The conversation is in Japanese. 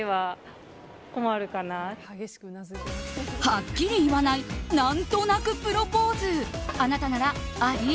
はっきり言わないなんとなくプロポーズあなたなら、あり？